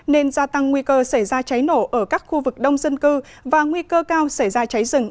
nên gia tăng nguy cơ xảy ra cháy nổ ở các khu vực đông dân cư và nguy cơ cao xảy ra cháy rừng